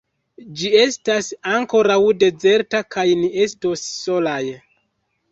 Ĝi estas ankoraŭ dezerta, kaj ni estos solaj.